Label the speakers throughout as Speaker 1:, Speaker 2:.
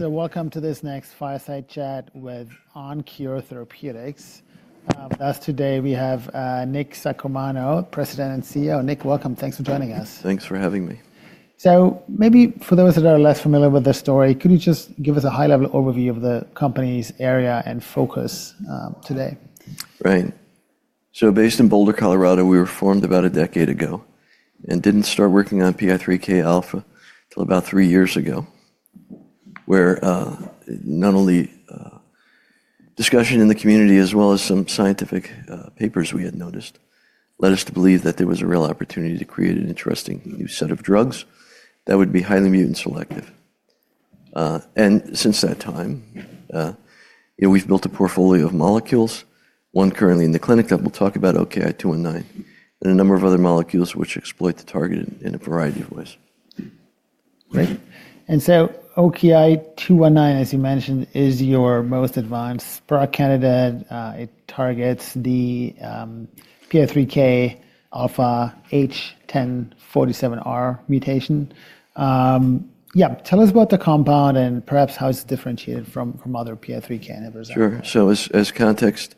Speaker 1: Welcome to this next fireside chat with OnKure Therapeutics. With us today, we have Nick Saccomanno, President and CEO. Nick, welcome. Thanks for joining us.
Speaker 2: Thanks for having me. Maybe for those that are less familiar with the story, could you just give us a high-level overview of the company's area and focus today? Right. Based in Boulder, Colorado, we were formed about a decade ago and did not start working on PI3K alpha until about three years ago, where not only discussion in the community, as well as some scientific papers we had noticed, led us to believe that there was a real opportunity to create an interesting new set of drugs that would be highly mutant selective. Since that time, we have built a portfolio of molecules, one currently in the clinic that we will talk about, OKI-219, and a number of other molecules which exploit the target in a variety of ways. Great. OKI-219, as you mentioned, is your most advanced. For our candidate, it targets the PI3K alpha H1047R mutation. Yeah, tell us about the compound and perhaps how it's differentiated from other PI3K inhibitors. Sure. As context,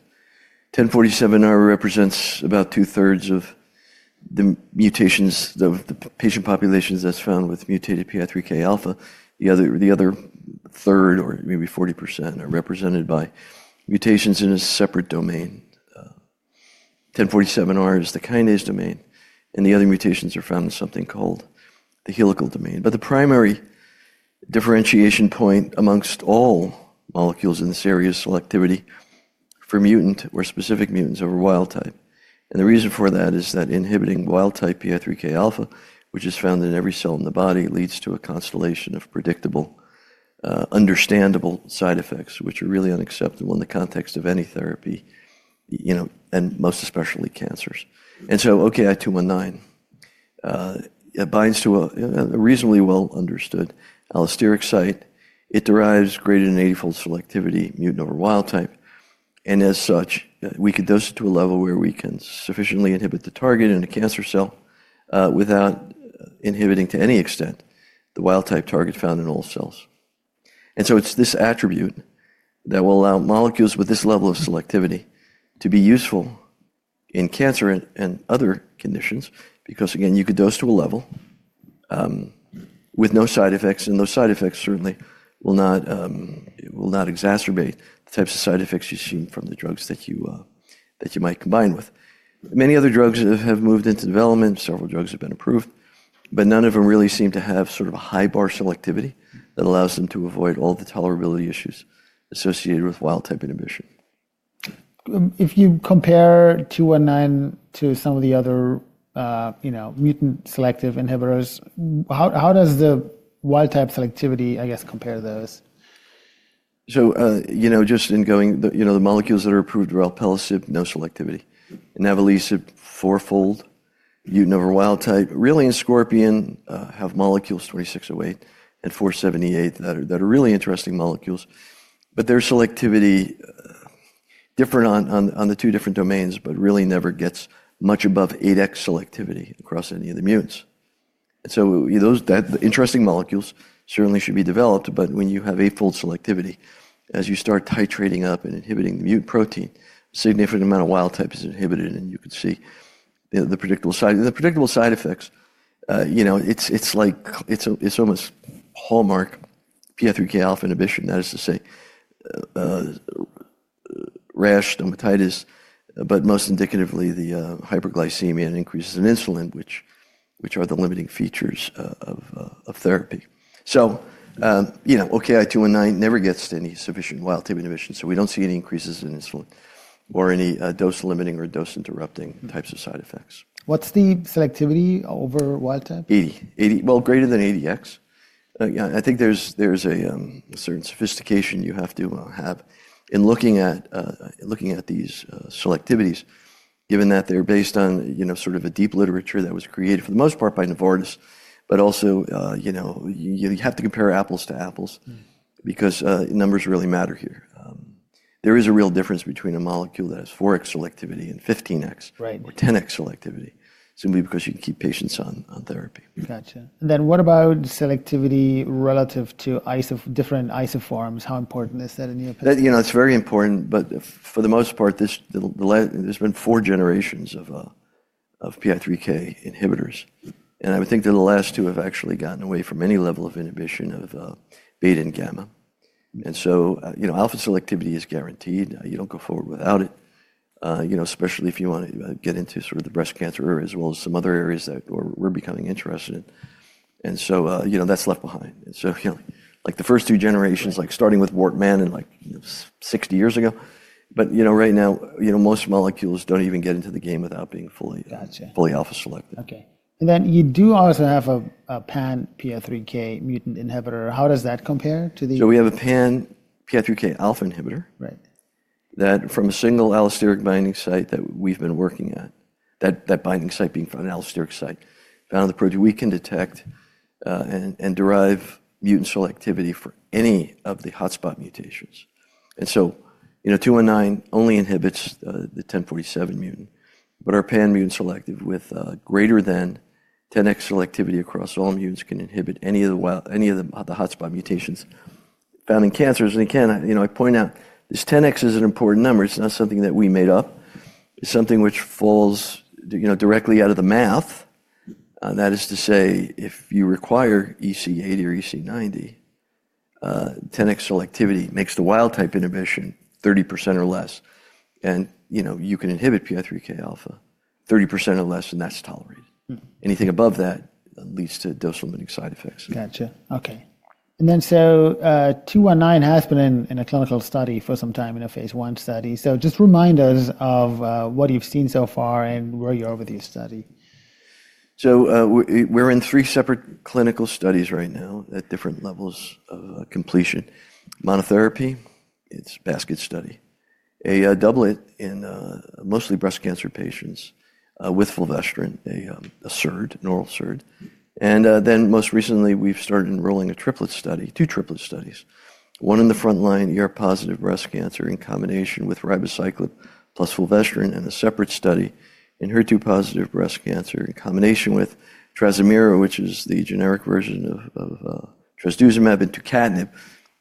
Speaker 2: H1047R represents about two-thirds of the mutations of the patient populations that is found with mutated PI3K alpha. The other third, or maybe 40%, are represented by mutations in a separate domain. H1047R is the kinase domain, and the other mutations are found in something called the helical domain. The primary differentiation point amongst all molecules in this area is selectivity for mutant or specific mutants over wild type. The reason for that is that inhibiting wild type PI3K alpha, which is found in every cell in the body, leads to a constellation of predictable, understandable side effects, which are really unacceptable in the context of any therapy, and most especially cancers. OKI-219 binds to a reasonably well-understood allosteric site. It derives greater than 80-fold selectivity mutant over wild type. As such, we could dose it to a level where we can sufficiently inhibit the target in a cancer cell without inhibiting to any extent the wild type target found in all cells. It is this attribute that will allow molecules with this level of selectivity to be useful in cancer and other conditions, because, again, you could dose to a level with no side effects, and those side effects certainly will not exacerbate the types of side effects you've seen from the drugs that you might combine with. Many other drugs have moved into development. Several drugs have been approved, but none of them really seem to have sort of a high bar selectivity that allows them to avoid all the tolerability issues associated with wild type inhibition. If you compare OKI-219 to some of the other mutant selective inhibitors, how does the wild type selectivity, I guess, compare to those? Just in going, the molecules that are approved are alpelisib, no selectivity. Inavolisib, four-fold, mutant over wild type. Really, in Scorpion, have molecules 2608 and 478 that are really interesting molecules, but their selectivity is different on the two different domains, but really never gets much above 8x selectivity across any of the mutants. Those interesting molecules certainly should be developed, but when you have eight-fold selectivity, as you start titrating up and inhibiting the mutant protein, a significant amount of wild type is inhibited, and you could see the predictable side effects. It's like it's almost hallmark PI3K alpha inhibition, that is to say, rash, dermatitis, but most indicatively, the hyperglycemia and increases in insulin, which are the limiting features of therapy. OKI-219 never gets to any sufficient wild type inhibition, so we do not see any increases in insulin or any dose-limiting or dose-interrupting types of side effects. What's the selectivity over wild type? Greater than 80x. I think there's a certain sophistication you have to have in looking at these selectivities, given that they're based on sort of a deep literature that was created for the most part by Novartis, but also you have to compare apples to apples because numbers really matter here. There is a real difference between a molecule that has 4x selectivity and 15x or 10x selectivity, simply because you can keep patients on therapy. Gotcha. Then what about selectivity relative to different isoforms? How important is that in your opinion? You know, it's very important, but for the most part, there's been four generations of PI3K inhibitors. I would think that the last two have actually gotten away from any level of inhibition of beta and gamma. Alpha selectivity is guaranteed. You don't go forward without it, especially if you want to get into sort of the breast cancer area, as well as some other areas that we're becoming interested in. That's left behind, like the first two generations, like starting with Wortmannin like 60 years ago. Right now, most molecules don't even get into the game without being fully alpha selective. Okay. You do also have a pan-PI3K mutant inhibitor. How does that compare to the? We have a pan-PI3K alpha inhibitor that from a single allosteric binding site that we've been working at, that binding site being an allosteric site, found the protein we can detect and derive mutant selectivity for any of the hotspot mutations. OKI-219 only inhibits the H1047R mutant, but our pan-mutant selective with greater than 10x selectivity across all mutants can inhibit any of the hotspot mutations found in cancers. I point out this 10x is an important number. It's not something that we made up. It's something which falls directly out of the math. That is to say, if you require EC80 or EC90, 10x selectivity makes the wild type inhibition 30% or less. You can inhibit PI3K alpha 30% or less, and that's tolerated. Anything above that leads to dose-limiting side effects. Gotcha. Okay. And then OKI-219 has been in a clinical study for some time, in a phase one study. Just remind us of what you've seen so far and where you are with your study. We're in three separate clinical studies right now at different levels of completion. Monotherapy, it's a basket study. A doublet in mostly breast cancer patients with fulvestrant, a SERD, oral SERD. Most recently, we've started enrolling a triplet study, two triplet studies. One in the front line, ER-positive breast cancer in combination with ribociclib plus fulvestrant, and a separate study in HER2-positive breast cancer in combination with trastuzumab, which is the generic version of trastuzumab, and tucatinib,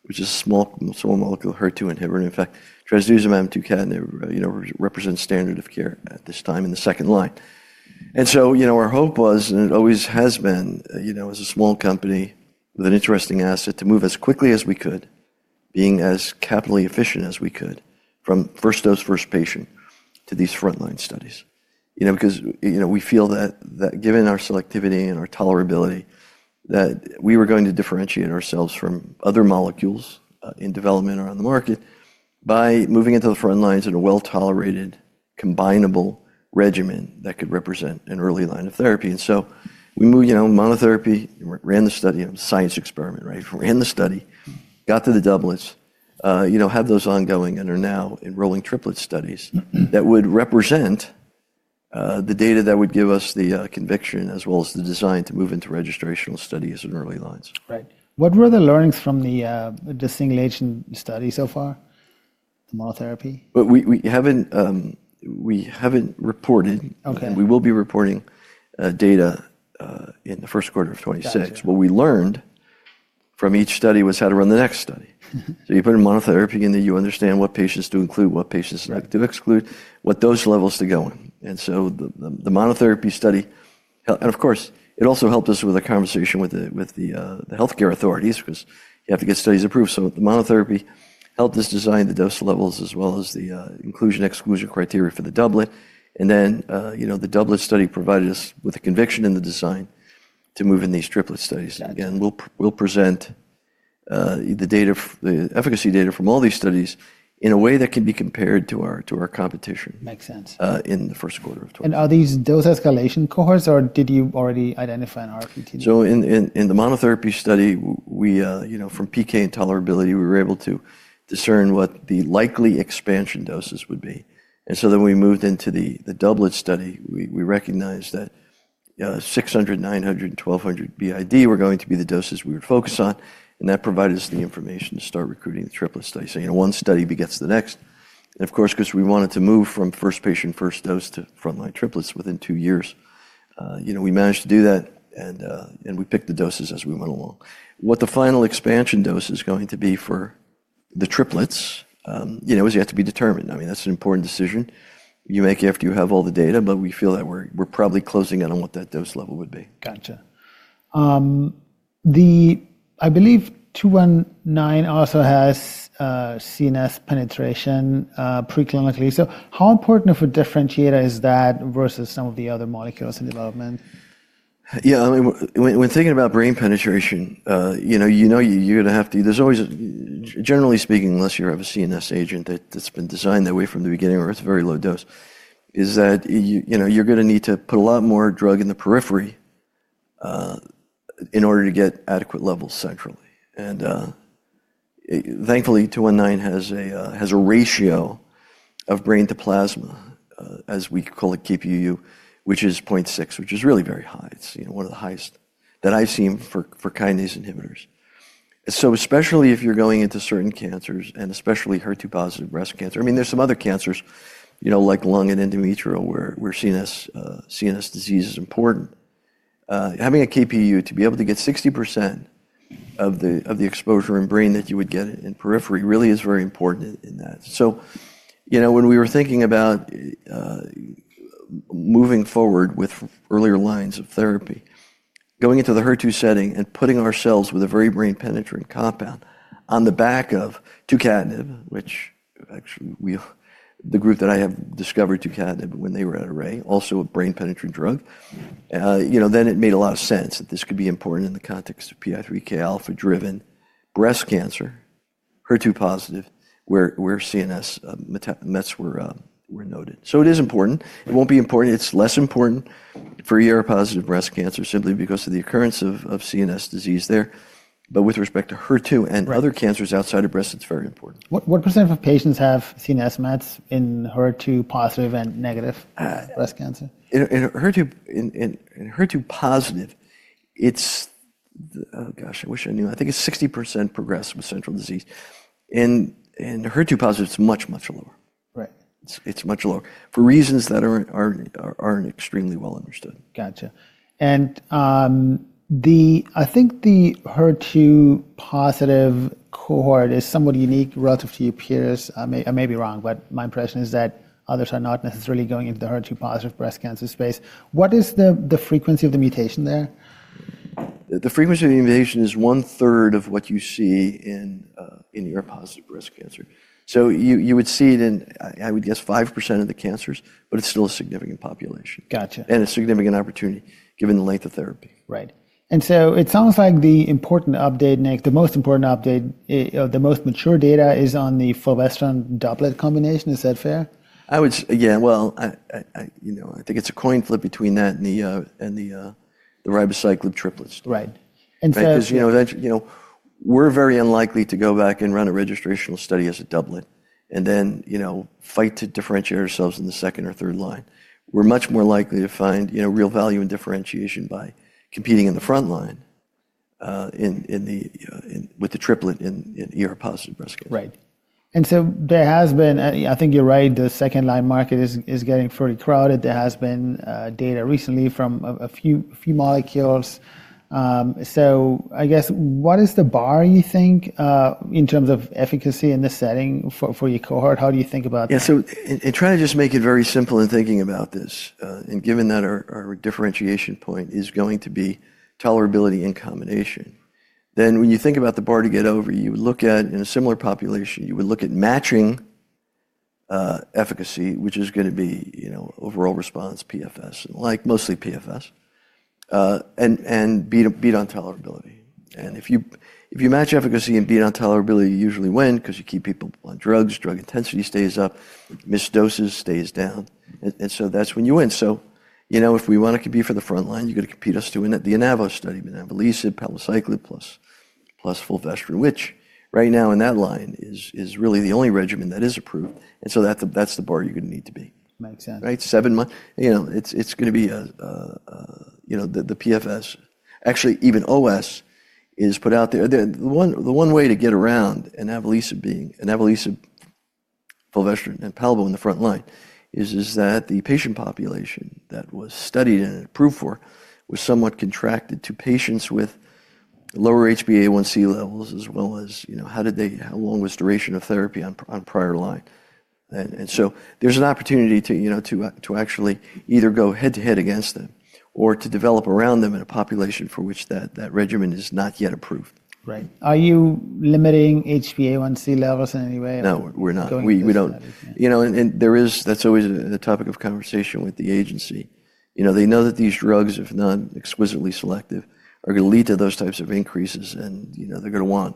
Speaker 2: which is a small molecule HER2 inhibitor. In fact, trastuzumab and tucatinib represent standard of care at this time in the second line. Our hope was, and it always has been, as a small company with an interesting asset, to move as quickly as we could, being as capitally efficient as we could, from first dose, first patient to these front line studies. Because we feel that given our selectivity and our tolerability, that we were going to differentiate ourselves from other molecules in development or on the market by moving into the front lines in a well-tolerated, combinable regimen that could represent an early line of therapy. We moved monotherapy, ran the study, a science experiment, right? We ran the study, got to the doublets, have those ongoing, and are now enrolling triplet studies that would represent the data that would give us the conviction, as well as the design to move into registrational studies in early lines. Right. What were the learnings from the distinguished study so far? The monotherapy? We haven't reported, and we will be reporting data in the first quarter of 2026. What we learned from each study was how to run the next study. You put in monotherapy in there, you understand what patients to include, what patients not to exclude, what dose levels to go in. The monotherapy study, and of course, it also helped us with a conversation with the healthcare authorities because you have to get studies approved. The monotherapy helped us design the dose levels, as well as the inclusion/exclusion criteria for the doublet. The doublet study provided us with a conviction in the design to move in these triplet studies. We will present the efficacy data from all these studies in a way that can be compared to our competition in the first quarter of 2026. Are these dose escalation cohorts, or did you already identify an RFPT? In the monotherapy study, from PK and tolerability, we were able to discern what the likely expansion doses would be. We moved into the doublet study. We recognized that 600, 900, and 1200 B.I.D were going to be the doses we would focus on, and that provided us the information to start recruiting the triplet study, saying one study begets the next. Of course, because we wanted to move from first patient, first dose to front line triplets within two years, we managed to do that, and we picked the doses as we went along. What the final expansion dose is going to be for the triplets is yet to be determined. I mean, that's an important decision you make after you have all the data, but we feel that we're probably closing in on what that dose level would be. Gotcha. I believe OKI-219 also has CNS penetration pre-clinically. How important of a differentiator is that versus some of the other molecules in development? Yeah, when thinking about brain penetration, you know you're going to have to, there's always, generally speaking, unless you have a CNS agent that's been designed that way from the beginning or it's very low dose, is that you're going to need to put a lot more drug in the periphery in order to get adequate levels centrally. Thankfully, OKI-219 has a ratio of brain to plasma, as we call it Kp,uu, which is 0.6, which is really very high. It's one of the highest that I've seen for kinase inhibitors. Especially if you're going into certain cancers, and especially HER2-positive breast cancer, I mean, there's some other cancers like lung and endometrial where CNS disease is important. Having a Kp,uu to be able to get 60% of the exposure in brain that you would get in periphery really is very important in that. When we were thinking about moving forward with earlier lines of therapy, going into the HER2 setting and putting ourselves with a very brain-penetrating compound on the back of tucatinib, which actually the group that I have discovered tucatinib when they were at Array, also a brain-penetrating drug, then it made a lot of sense that this could be important in the context of PI3K alpha-driven breast cancer, HER2-positive, where CNS mets were noted. It is important. It will not be important. It is less important for ER-positive breast cancer simply because of the occurrence of CNS disease there. With respect to HER2 and other cancers outside of breast, it is very important. What percent of patients have CNS mets in HER2-positive and negative breast cancer? In HER2-positive, it's, oh gosh, I wish I knew. I think it's 60% progressive with central disease. In HER2-positive, it's much, much lower. It's much lower for reasons that aren't extremely well understood. Gotcha. I think the HER2-positive cohort is somewhat unique relative to your peers. I may be wrong, but my impression is that others are not necessarily going into the HER2-positive breast cancer space. What is the frequency of the mutation there? The frequency of the mutation is one third of what you see in positive breast cancer. You would see it in, I would guess, 5% of the cancers, but it's still a significant population and a significant opportunity given the length of therapy. Right. It sounds like the important update, Nick, the most important update, the most mature data is on the fulvestrant doublet combination. Is that fair? Yeah, I think it's a coin flip between that and the ribociclib triplets. Right. And so. Because we're very unlikely to go back and run a registrational study as a doublet and then fight to differentiate ourselves in the second or third line. We're much more likely to find real value in differentiation by competing in the front line with the triplet in HER2-positive breast cancer. Right. There has been, I think you're right, the second line market is getting fairly crowded. There has been data recently from a few molecules. I guess, what is the bar, you think, in terms of efficacy in the setting for your cohort? How do you think about that? Yeah, so in trying to just make it very simple in thinking about this, and given that our differentiation point is going to be tolerability in combination, then when you think about the bar to get over, you would look at, in a similar population, you would look at matching efficacy, which is going to be overall response, PFS, like mostly PFS, and beat on tolerability. If you match efficacy and beat on tolerability, you usually win because you keep people on drugs, drug intensity stays up, missed doses stays down. That is when you win. If we want to compete for the front line, you have got to compete us to win at the INAVO study, inavolisib, palbociclib plus fulvestrant, which right now in that line is really the only regimen that is approved. That is the bar you are going to need to be. Makes sense. Right? Seven months, it's going to be the PFS. Actually, even OS is put out there. The one way to get around inavolisib, fulvestrant, and palbociclib in the front line is that the patient population that was studied and approved for was somewhat contracted to patients with lower HbA1c levels, as well as how long was duration of therapy on prior line. There is an opportunity to actually either go head to head against them or to develop around them in a population for which that regimen is not yet approved. Right. Are you limiting HbA1c levels in any way? No, we're not. We don't. That's always a topic of conversation with the agency. They know that these drugs, if not exquisitely selective, are going to lead to those types of increases, and they're going to want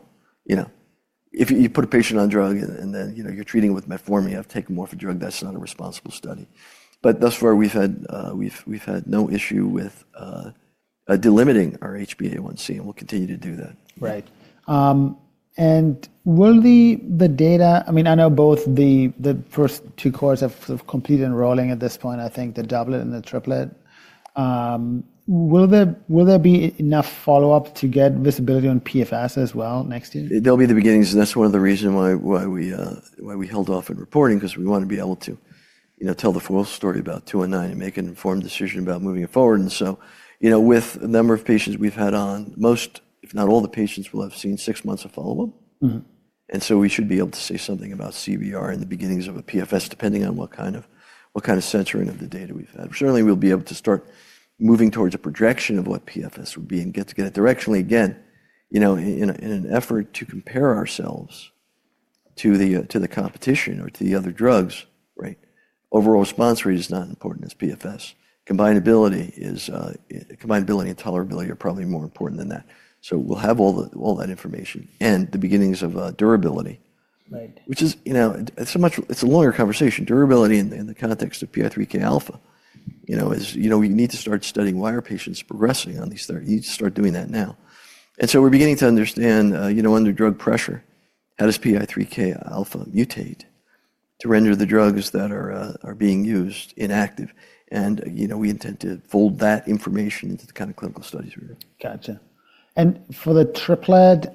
Speaker 2: if you put a patient on drug and then you're treating with metformin, you have to take them off a drug, that's not a responsible study. Thus far, we've had no issue with delimiting our HbA1c, and we'll continue to do that. Right. Will the data, I mean, I know both the first two cohorts have completed enrolling at this point, I think the doublet and the triplet. Will there be enough follow-up to get visibility on PFS as well next year? There'll be the beginnings. That is one of the reasons why we held off in reporting, because we want to be able to tell the full story about OKI-219 and make an informed decision about moving forward. With the number of patients we've had on, most, if not all, the patients will have seen six months of follow-up. We should be able to say something about CBR in the beginnings of a PFS, depending on what kind of centering of the data we've had. Certainly, we'll be able to start moving towards a projection of what PFS would be and get it directionally again. In an effort to compare ourselves to the competition or to the other drugs, overall response rate is not as important as PFS. Combinability and tolerability are probably more important than that. We'll have all that information and the beginnings of durability, which is a longer conversation. Durability in the context of PI3K alpha is you need to start studying why are patients progressing on these therapies. You need to start doing that now. We're beginning to understand under drug pressure, how does PI3K alpha mutate to render the drugs that are being used inactive? We intend to fold that information into the kind of clinical studies we're doing. Gotcha. For the triplet,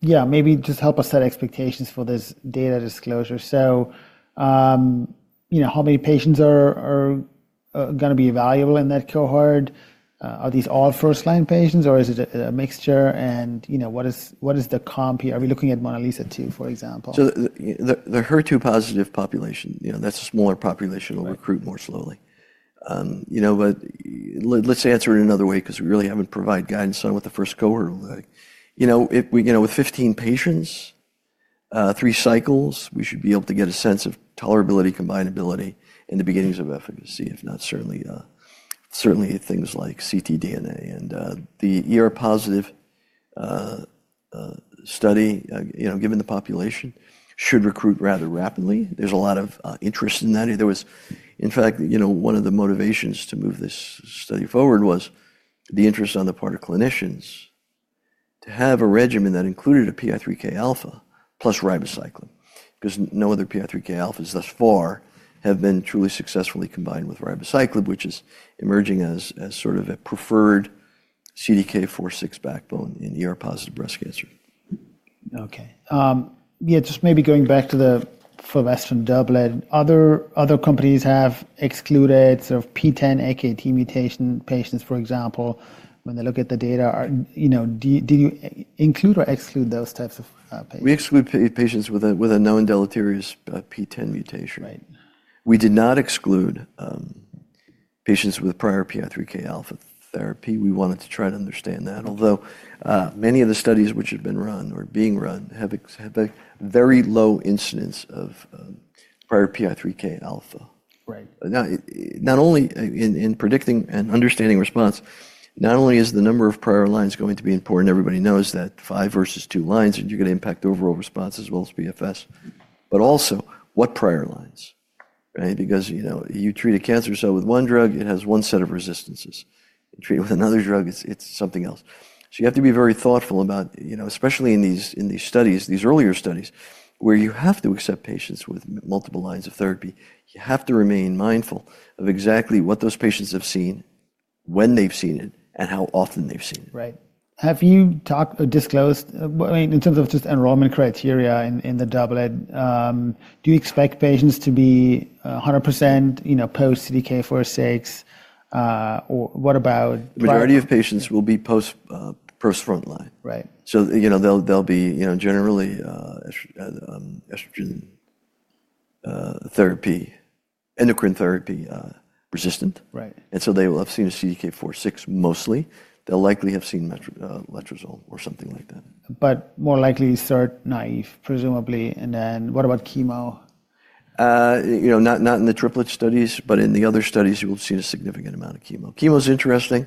Speaker 2: yeah, maybe just help us set expectations for this data disclosure. How many patients are going to be valuable in that cohort? Are these all first line patients, or is it a mixture? What is the comp? Are we looking at Monalisa II, for example? The HER2-positive population, that's a smaller population, will recruit more slowly. Let me answer it in another way, because we really haven't provided guidance on what the first cohort will look like. With 15 patients, three cycles, we should be able to get a sense of tolerability, combinability, and the beginnings of efficacy, if not certainly things like ctDNA. The positive study, given the population, should recruit rather rapidly. There's a lot of interest in that. In fact, one of the motivations to move this study forward was the interest on the part of clinicians to have a regimen that included a PI3K alpha plus ribociclib, because no other PI3K alphas thus far have been truly successfully combined with ribociclib, which is emerging as sort of a preferred CDK4/6 backbone in positive breast cancer. Okay. Yeah, just maybe going back to the fulvestrant doublet, other companies have excluded sort of PTEN AKT mutation patients, for example, when they look at the data. Did you include or exclude those types of patients? We excluded patients with a known deleterious PTEN mutation. We did not exclude patients with prior PI3K alpha therapy. We wanted to try to understand that. Although many of the studies which have been run or are being run have a very low incidence of prior PI3K alpha. Not only in predicting and understanding response, not only is the number of prior lines going to be important, everybody knows that five versus two lines, and you're going to impact the overall response as well as PFS, but also what prior lines, right? Because you treat a cancer cell with one drug, it has one set of resistances. You treat it with another drug, it's something else. You have to be very thoughtful about, especially in these studies, these earlier studies, where you have to accept patients with multiple lines of therapy. You have to remain mindful of exactly what those patients have seen, when they've seen it, and how often they've seen it. Right. Have you disclosed, I mean, in terms of just enrollment criteria in the doublet, do you expect patients to be 100% post CDK4/6, or what about? The majority of patients will be post front line. They will be generally estrogen therapy, endocrine therapy resistant. They will have seen a CDK4/6 mostly. They will likely have seen letrozole or something like that. More likely cert naïve, presumably. And then what about chemo? Not in the triplet studies, but in the other studies, you will have seen a significant amount of chemo. Chemo is interesting.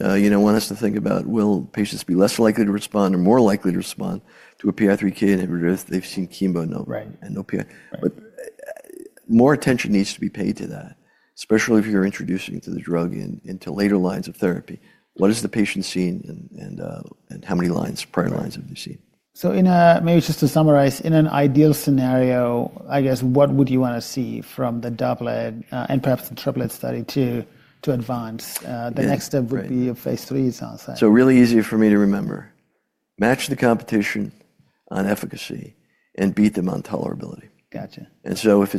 Speaker 2: One has to think about, will patients be less likely to respond or more likely to respond to a PI3K inhibitor if they've seen chemo and no PI? More attention needs to be paid to that, especially if you're introducing the drug into later lines of therapy. What has the patient seen and how many prior lines have they seen? Maybe just to summarize, in an ideal scenario, I guess, what would you want to see from the doublet and perhaps the triplet study to advance? The next step would be your phase threes, I'll say. Really easy for me to remember, match the competition on efficacy and beat them on tolerability. Gotcha. If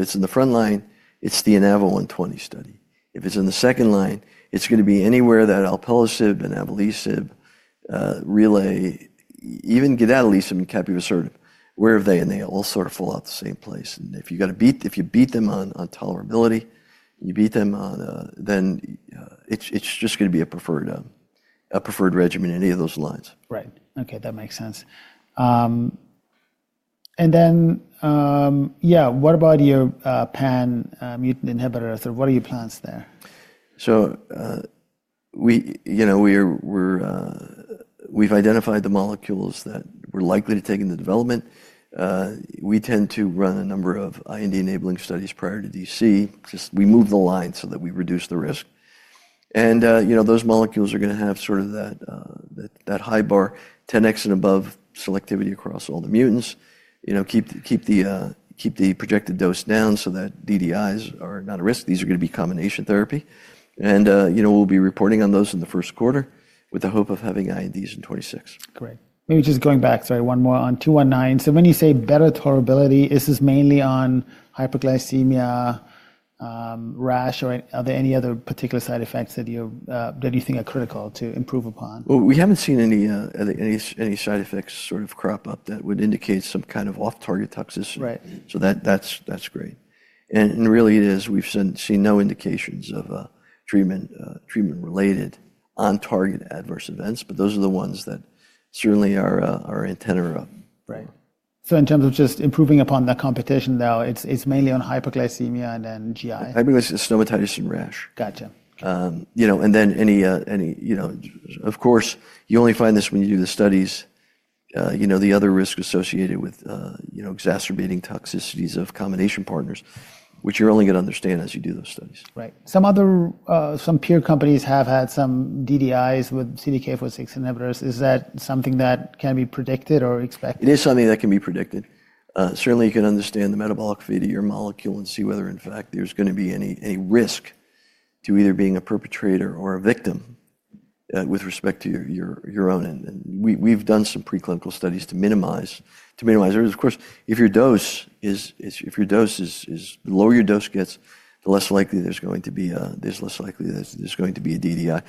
Speaker 2: it's in the front line, it's the INAVO120 study. If it's in the second line, it's going to be anywhere that alpelisib and abemaciclib relay, even inavolisib and capivasertib, wherever they enable, all sort of fall out the same place. If you beat them on tolerability, you beat them on, then it's just going to be a preferred regimen in any of those lines. Right. Okay, that makes sense. Yeah, what about your pan-mutant inhibitor? What are your plans there? We've identified the molecules that we're likely to take into development. We tend to run a number of IND enabling studies prior to DC, just we move the line so that we reduce the risk. Those molecules are going to have sort of that high bar, 10x and above selectivity across all the mutants. Keep the projected dose down so that DDIs are not a risk. These are going to be combination therapy. We'll be reporting on those in the first quarter with the hope of having INDs in 2026. Great. Maybe just going back, sorry, one more on OKI-219. When you say better tolerability, is this mainly on hyperglycemia, rash, or are there any other particular side effects that you think are critical to improve upon? We have not seen any side effects sort of crop up that would indicate some kind of off-target toxicity. That is great. It is. We have seen no indications of treatment-related on-target adverse events, but those are the ones that certainly are in tenor of. Right. So in terms of just improving upon the competition now, it's mainly on hyperglycemia and then GI? Stomatitis and rash. Gotcha. Of course, you only find this when you do the studies, the other risk associated with exacerbating toxicities of combination partners, which you're only going to understand as you do those studies. Right. Some peer companies have had some DDIs with CDK4/6 inhibitors. Is that something that can be predicted or expected? It is something that can be predicted. Certainly, you can understand the metabolic fate of your molecule and see whether, in fact, there's going to be any risk to either being a perpetrator or a victim with respect to your own. We've done some preclinical studies to minimize it. Of course, if your dose is low, your dose gets, the less likely there's going to be a DDI.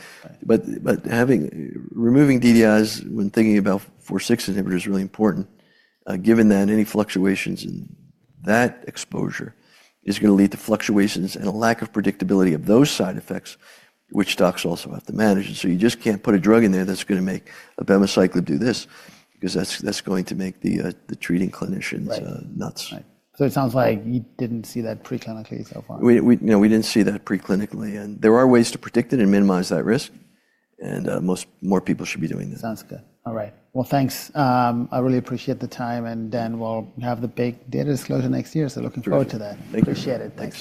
Speaker 2: Removing DDIs when thinking about 4/6 inhibitor is really important, given that any fluctuations in that exposure is going to lead to fluctuations and a lack of predictability of those side effects, which docs also have to manage. You just can't put a drug in there that's going to make abemaciclib do this, because that's going to make the treating clinicians nuts. It sounds like you didn't see that preclinically so far. We did not see that preclinically. There are ways to predict it and minimize that risk. More people should be doing that. Sounds good. All right. Thanks. I really appreciate the time. And then we'll have the big data disclosure next year. Looking forward to that. Thank you. Appreciate it. Thanks.